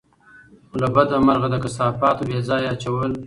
خو له بده مرغه، د کثافاتو بېځايه اچول